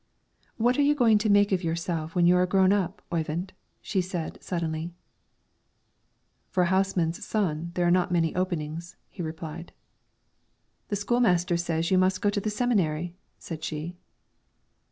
"What are you going to make of yourself when you are grown up, Oyvind?" said she, suddenly. "For a houseman's son, there are not many openings," he replied. "The school master says you must go to the seminary," said she.